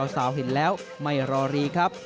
สาวเห็นแล้วไม่รอรีครับ